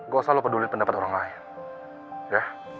gak usah lo peduli pendapat orang lain